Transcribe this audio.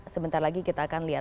sebentar lagi kita akan lihat